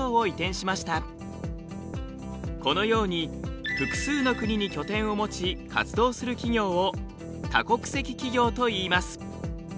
このように複数の国に拠点を持ち活動する企業を多国籍企業といいます。